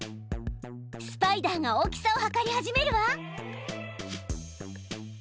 スパイダーが大きさをはかり始めるわ。